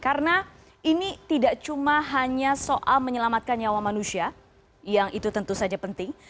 karena ini tidak cuma hanya soal menyelamatkan nyawa manusia yang itu tentu saja penting